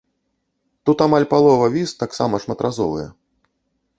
Тут амаль палова віз таксама шматразовыя.